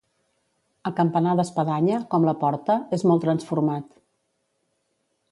El campanar d'espadanya, com la porta, és molt transformat.